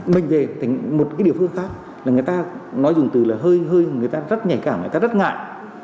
mình về thành một cái địa phương khác người ta nói dùng từ là hơi người ta rất nhảy cảm người ta rất ngại